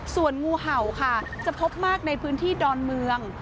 ส่วนงูเห่าค่ะจะพบมากในพื้นที่ดอนเมือง